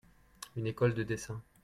une école de dessin.